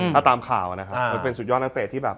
ถ้าตามข่าวนะครับมันเป็นสุดยอดนักเตะที่แบบ